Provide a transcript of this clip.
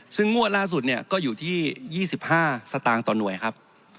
ซึ่งงวดล่าสุดเนี่ยก็อยู่ที่๒๕สตางค์ต่อหน่วยครับ